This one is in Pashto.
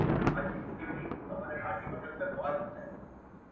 زړه وه زړه ته لاره لري.